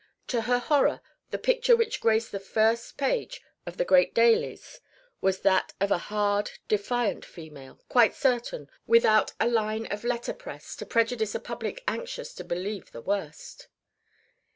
To her horror the picture which graced the first page of the great dailies was that of a hard defiant female, quite certain, without a line of letter press, to prejudice a public anxious to believe the worst.